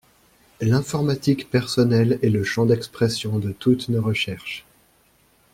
L’informatique personnelle est le champ d’expression de toutes nos recherches.